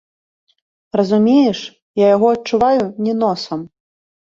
Разумееш, я яго адчуваю не носам.